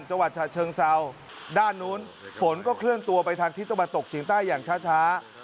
จวัดเชิงเซาด้านนู้นฝนก็เคลื่อนตัวไปทางที่ต้องมาตกสิงห์ใต้อย่างช้าช้า